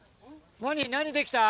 何できた？